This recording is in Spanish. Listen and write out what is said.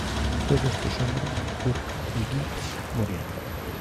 Dos de estos hombres, Burke y Gibbs, murieron.